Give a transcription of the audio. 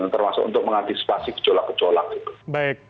termasuk untuk mengantisipasi kecolak kecolak gitu